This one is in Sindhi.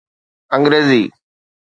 انگريزي